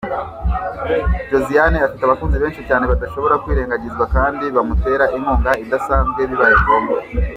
Josiane afite abakunzi benshi cyane badashobora kwirengagizwa kandi bamutera inkunga idasanzwe bibaye ngombwa.